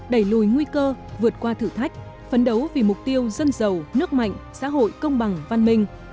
đẩy lùi nguy cơ vượt qua thử thách phấn đấu vì mục tiêu dân giàu nước mạnh xã hội công bằng văn minh